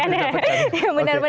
apalagi yang mendapatkan